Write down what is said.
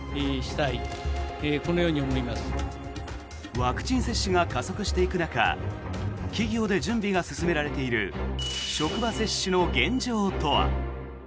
ワクチン接種が加速していく中企業で準備が進められている職場接種の現状とは。